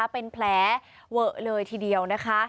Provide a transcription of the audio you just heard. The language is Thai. เป็นแผลเวลาะเลยทีเดียว